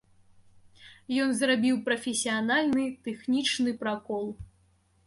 Ён зрабіў прафесіянальны тэхнічны пракол.